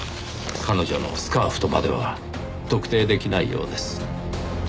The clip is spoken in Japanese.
彼女のスカーフとまでは特定できないようです。